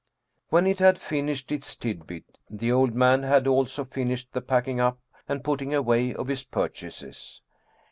When it had finished its tidbit, the old man had also fin ished the packing up and putting away of his purchases.